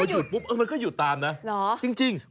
หยุดปุ๊บมันก็หยุดตามนะจริง